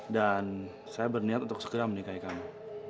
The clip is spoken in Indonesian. dan saya berniat untuk segera menikahi kamu